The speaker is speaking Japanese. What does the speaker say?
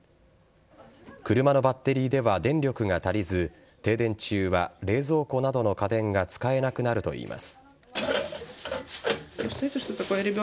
車のバッテリーでは電力が足りず、停電中は冷蔵庫などの家電が使えなくなるといいます。